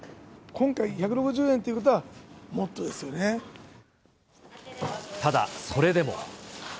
今回１６０円ということは、ただ、それでも。